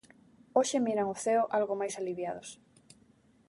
Hoxe miran o ceo algo máis aliviados.